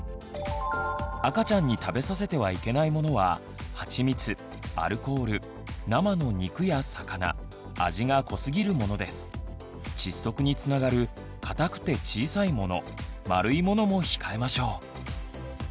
赤ちゃんに食べさせてはいけないものは窒息につながる硬くて小さいもの丸いものも控えましょう。